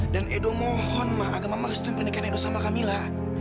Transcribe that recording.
dan edo mohon ma agama marestu yang pernikahan edo sama kamila